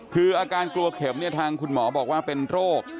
คืออาการกลัวเข็มเนี่ยทางคุณหมอบอกว่าเป็นโรค